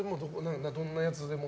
どんなやつでも？